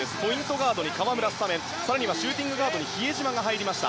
ガードに河村スタメンシューティングガードに比江島が入りました。